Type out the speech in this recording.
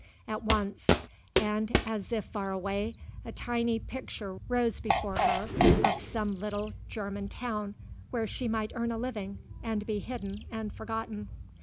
At once. And, as if far away, a tiny picture rose before her of some little German town, where she might earn a living and be hidden and forgotten.